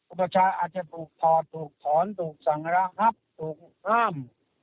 ประชาอาจจะถูกถอดถูกถอนถูกสั่งระงับถูกห้าม